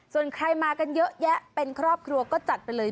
ส่วนใครมากันเยอะแยะเป็นครอบครัวก็จัดไปเลย